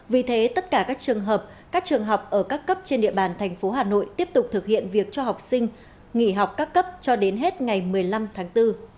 vì thế tất cả các trường hợp các trường học ở các cấp trên địa bàn thành phố hà nội tiếp tục thực hiện việc cho học sinh nghỉ học các cấp cho đến hết ngày một mươi năm tháng bốn